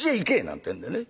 なんてんでね